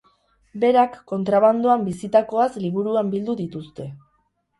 Berak kontrabandoan bizitakoaz liburuan bildu dituzte.